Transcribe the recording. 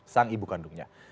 sang ibu kandungnya